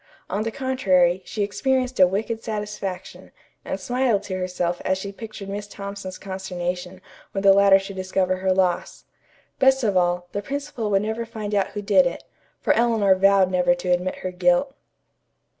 On the contrary, she experienced a wicked satisfaction, and smiled to herself as she pictured Miss Thompson's consternation when the latter should discover her loss. Best of all, the principal would never find out who did it, for Eleanor vowed never to admit her guilt.